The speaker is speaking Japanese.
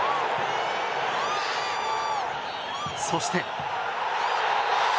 そして。